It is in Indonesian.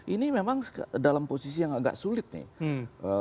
ini memang dalam posisi yang agak sulit nih